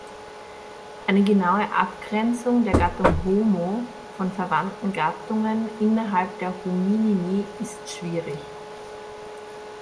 Eine genaue Abgrenzung der Gattung "Homo" von verwandten Gattungen innerhalb der Hominini ist schwierig.